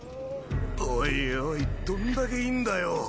おいおいどんだけいんだよ。